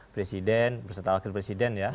presiden berserta wakil presiden ya